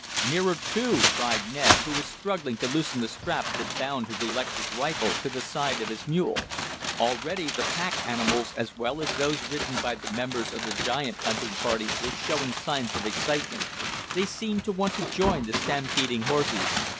"Nearer two!" cried Ned, who was struggling to loosen the straps that bound his electric rifle to the side of his mule. Already the pack animals as well as those ridden by the members of the giant hunting party were showing signs of excitement. They seemed to want to join the stampeding horses.